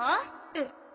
えっ。